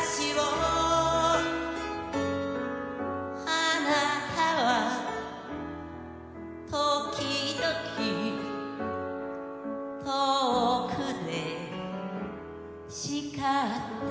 「あなたはときどき遠くでしかって」